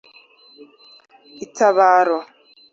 itabaro